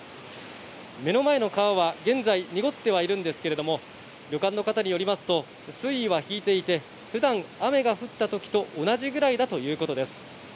目の前の川は現在、濁ってはいるんですけれども、旅館の方によりますと、水位は引いていて、ふだん、雨が降ったときと同じぐらいだということです。